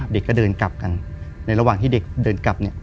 เด็กก็เดินกลับกันในระหว่างที่เด็กเดินกลับเนี่ย